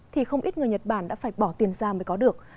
thì không ít người nhật bản đã phải bỏ tiền ra mới có được